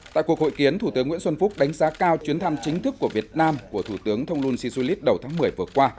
tại cuộc hội kiến thủ tướng nguyễn xuân phúc đánh giá cao chuyến thăm chính thức của việt nam của thủ tướng thông luân si su lít đầu tháng một mươi vừa qua